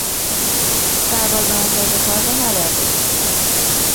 سربازان تازهکار را نباید به جبهه فرستاد.